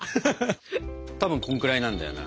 たぶんこんくらいなんだよな。